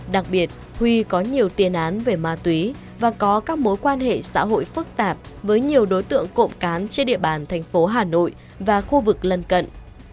đặc biệt huy có nhiều tiền án về ma túy và có các mối quan hệ xã hội phức tạp với nhiều đối tượng cộm cán trên địa bàn tp hà nội và khu vực lân cân